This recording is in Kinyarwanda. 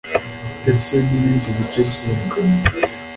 ndetse n’ibindi bice by’imbwa